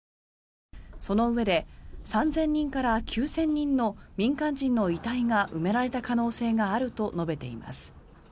そのうえで３０００人から９０００人の民間人の遺体が埋められた可能性があると述べています。